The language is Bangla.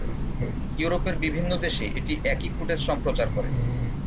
ইউরোপের বিভিন্ন দেশে এটি একই ফুটেজ সম্প্রচার করে।